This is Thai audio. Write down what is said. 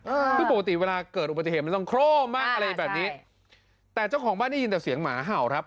เออคือปกติเวลาเกิดอุบัติเหตุมันต้องโคร่มมากอะไรแบบนี้แต่เจ้าของบ้านได้ยินแต่เสียงหมาเห่าครับ